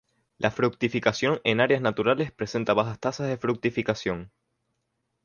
La fructificación en áreas naturales presenta bajas tasas de fructificación.